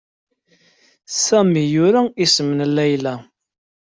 Sami yura isem n Layla.